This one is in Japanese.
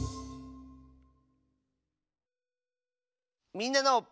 「みんなの」。